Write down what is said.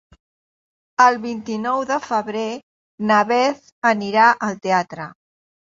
El vint-i-nou de febrer na Beth anirà al teatre.